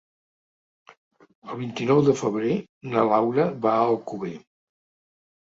El vint-i-nou de febrer na Laura va a Alcover.